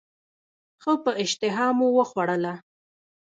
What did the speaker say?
ښه په اشتهامو وخوړله.